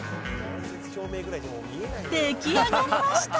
出来上がりました。